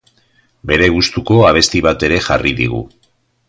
Bere gustuko abesti bat ere jarri digu.